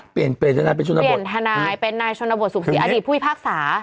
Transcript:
เปลี่ยนทนายเป็นชนบทเปลี่ยนทนายเป็นนายชนบทสุขศรีอดีตผู้พิพากษา